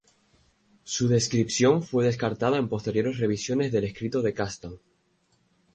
Su descripción fue descartada en posteriores revisiones del escrito de Kasdan.